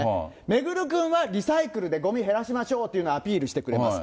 めぐるくんはリサイクルでごみ減らしましょうというのをアピールしてくれます。